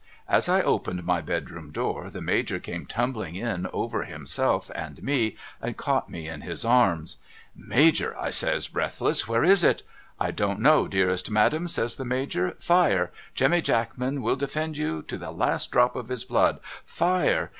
As I opened my bedroom door the Major came tumbling in over himself and me, and caught me in his arms. ' Major ' I says breathless ' where is it ?' 'I don't know dearest madam' says the Major — 'Fire! Jemmy Jackman will defend you to the last drop of his blood — Fire